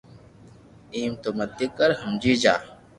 ايم تو متي ڪر ھمجي جا